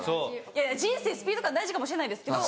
いやいや人生スピード感大事かもしれないですけど。